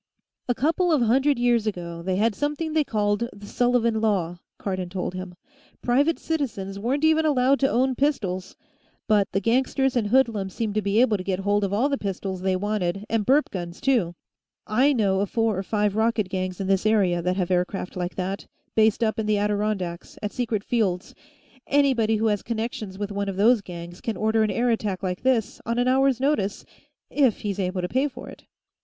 "A couple of hundred years ago, they had something they called the Sullivan Law," Cardon told him. "Private citizens weren't even allowed to own pistols. But the gangsters and hoodlums seemed to be able to get hold of all the pistols they wanted, and burp guns, too. I know of four or five racket gangs in this area that have aircraft like that, based up in the Adirondacks, at secret fields. Anybody who has connections with one of those gangs can order an air attack like this on an hour's notice, if he's able to pay for it.